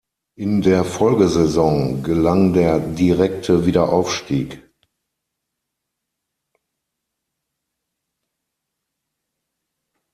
In der Folgesaison gelang der direkte Wiederaufstieg.